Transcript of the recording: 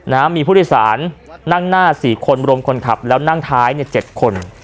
นะฮะมีผู้โดยสารนั่งหน้าสี่คนรวมคนขับแล้วนั่งท้ายเนี่ยเจ็ดคน